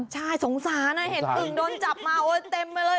ใช่สงสารเหตุอึ๋งโดนจับมาเต็มมาเลย